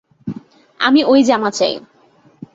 আমি ওই জামা চাই!